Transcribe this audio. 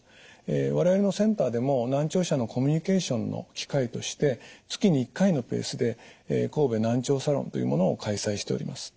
我々のセンターでも難聴者のコミュニケーションの機会として月に１回のペースで神戸難聴サロンというものを開催しております。